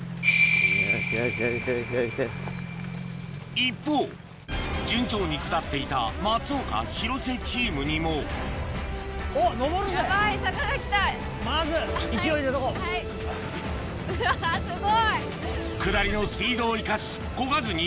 一方順調に下っていた松岡・広瀬チームにも下りのスピードを生かしこがずにギリギリまで